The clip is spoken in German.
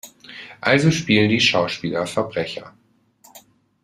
Also spielen die Schauspieler Verbrecher.